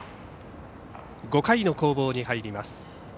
５回の攻防に入ります。